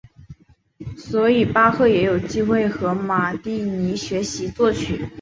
所以巴赫也有机会跟马蒂尼学习作曲。